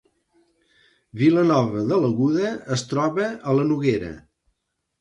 Vilanova de l’Aguda es troba a la Noguera